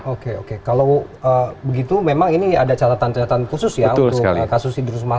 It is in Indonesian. oke oke kalau begitu memang ini ada catatan catatan khusus ya untuk kasus idrus marha